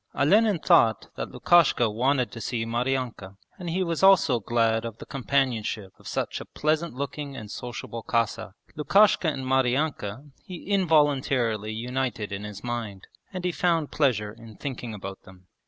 Olenin thought that Lukashka wanted to see Maryanka and he was also glad of the companionship of such a pleasant looking and sociable Cossack. Lukashka and Maryanka he involuntarily united in his mind, and he found pleasure in thinking about them.